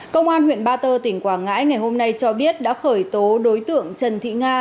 công an huyện ba tơ tỉnh quảng ngãi ngày hôm nay cho biết đã khởi tố đối tượng trần thị nga